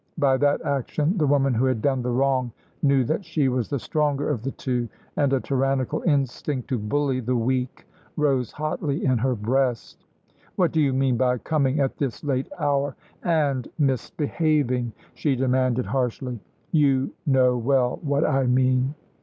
By that action the woman who had done the wrong knew that she was the stronger of the two, and a tyrannical instinct to bully the weak rose hotly in her breast. "What do you mean by coming at this late hour and misbehaving?" she demanded harshly. "You know well what I mean."